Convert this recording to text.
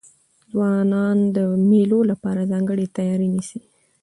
ځوانان د مېلو له پاره ځانګړې تیاری نیسي.